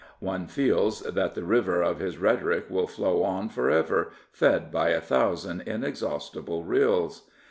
One feels that the river of his rhetoric will flow on for ever, fed by a thousand in exhaustible rills.